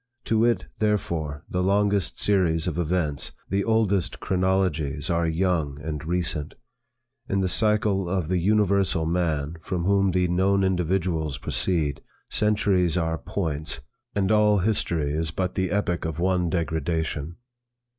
To it, therefore, the longest series of events, the oldest chronologies are young and recent. In the cycle of the universal man, from whom the known individuals proceed, centuries are points, and all history is but the epoch of one degradation.